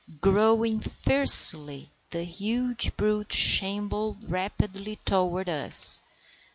Growling fiercely, the huge brute shambled rapidly toward us.